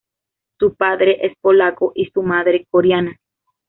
Su padre es polaco y su madre coreana.